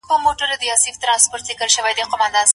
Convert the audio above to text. د علم زده کړه پر چا فرض ده؟